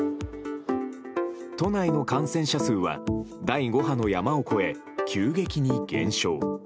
都内の感染者数は第５波の山を越え急激に減少。